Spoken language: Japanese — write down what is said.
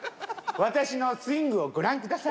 私のスイングをご覧ください。